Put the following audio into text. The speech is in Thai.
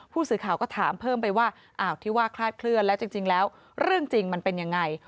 ผู้สื่อข่าวก็ถามเพิ่มไปว่าอ้าวที่ว่าคลาดเคลื่อนแล้วจริงแล้วเรื่องจริงมันเป็นยังไง